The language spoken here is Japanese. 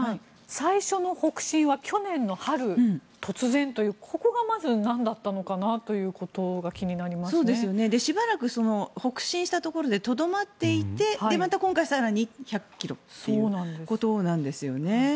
最初の北進は去年の春に突然というここがまずなんだったのかなというのがしばらく北進したところでとどまっていて、また今回更に１００ｋｍっていうことなんですよね。